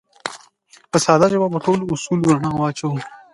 په ساده ژبه به په ټولو اصولو رڼا واچوو